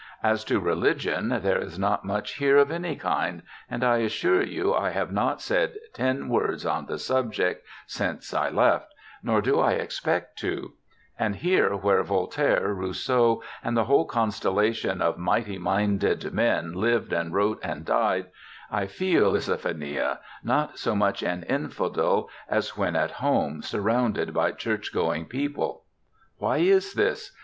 As to religion, there is not much here of any kind, and I assure you I have not said ten words on the sub ject since I left, nor do I expect to; and here, where Voltaire, Rousseau, and the whole constellation of mighty minded men lived and wrote and died, I feel — Isaphaena — not so much an infidel as when at home surrounded by church going people. Why is this